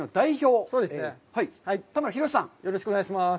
よろしくお願いします。